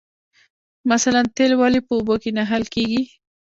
مثلاً تیل ولې په اوبو کې نه حل کیږي